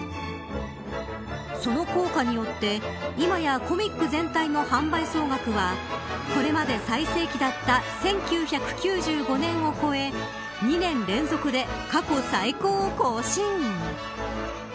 その効果によって今や、コミック全体の販売総額はこれまで最盛期だった１９９５年を超え２年連続で過去最高を更新。